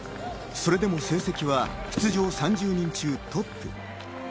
それでも成績は出場３０人中トップ。